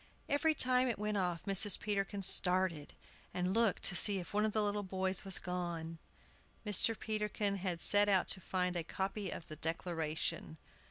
Every time it went off Mrs. Peterkin started, and looked to see if one of the little boys was gone. Mr. Peterkin had set out to find a copy of the "Declaration."